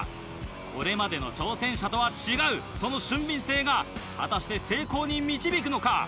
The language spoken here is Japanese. これまでの挑戦者とは違うその俊敏性が果たして成功に導くのか。